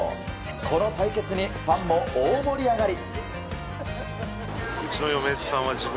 この対決にファンも大盛り上がり。